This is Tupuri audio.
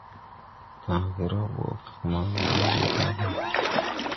Gããgé raw boʼo kag man wuu ni je tabay.